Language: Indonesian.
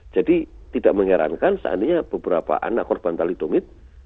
jadi tidak mengherankan seandainya beberapa anak korban talidomid